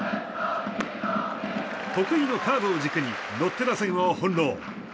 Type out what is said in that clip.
得意のカーブを軸にロッテ打線をほんろう。